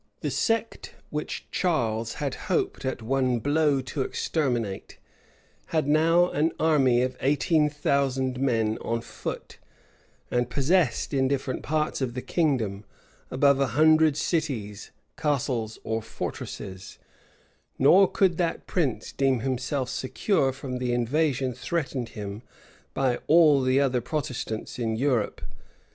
The sect which Charles had hoped at one blow to exterminate, had now an army of eighteen thousand men on foot, and possessed, in different parts of the kingdom, above a hundred cities, castles, or fortresses;[*] nor could that prince deem himself secure from the invasion threatened him by all the other Protestants in Europe.